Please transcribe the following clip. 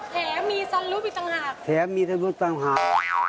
แถมมีสรุปอีกต่างหากแถมมีสรุปอีกต่างหาก